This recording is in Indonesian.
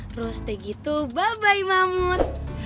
terus deh gitu bye bye mamut